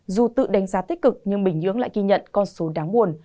dù tự đánh giá tích cực nhưng bình nhưỡng lại ghi nhận con số đáng buồn